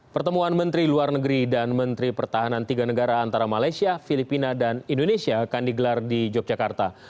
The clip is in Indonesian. pertemuan menteri luar negeri dan menteri pertahanan tiga negara antara malaysia filipina dan indonesia akan digelar di yogyakarta